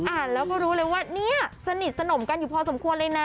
อ่านแล้วก็รู้เลยว่าเนี่ยสนิทสนมกันอยู่พอสมควรเลยนะ